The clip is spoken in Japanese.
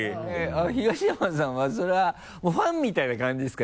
東山さんはそれはもうファンみたいな感じですか？